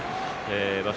場所